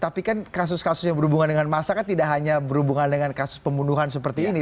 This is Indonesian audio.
tapi kan kasus kasus yang berhubungan dengan masa kan tidak hanya berhubungan dengan kasus pembunuhan seperti ini